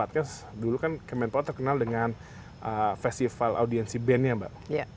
ini program unggulan kemenpora dulu yang sifatnya dulu kan kemenpora terkenal dengan festival audiensi band nya mbak